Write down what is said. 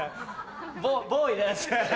ボーイです。